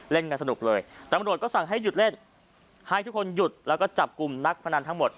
เล่นกันสนุกเลยตำรวจก็สั่งให้หยุดเล่นให้ทุกคนหยุดแล้วก็จับกลุ่มนักพนันทั้งหมด